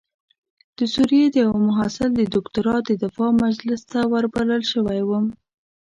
د سوریې د یوه محصل د دکتورا د دفاع مجلس ته وربلل شوی وم.